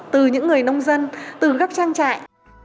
từ những người nông dân từ các trang trại